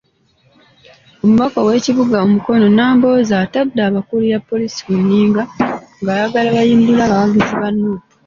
Omubaka w'ekibuga Mukono, Nambooze, atadde abakulira poliisi ku nninga ng'ayagala bayimbule abawagizi ba Nuupu.